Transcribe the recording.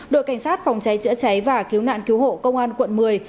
đội cảnh sát phòng cháy chữa cháy và cứu nạn cứu hộ công an quận một mươi